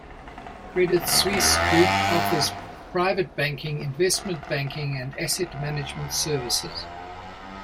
Credit Suisse Group offers private banking, investment banking and asset management services.